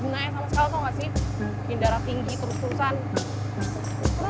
kepala itu akan menjadi kenangan manis saat kita di sekolah